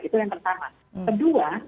itu yang pertama kedua